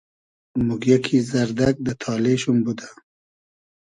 موگیۂ کی زئردئگ دۂ تالې شوم بودۂ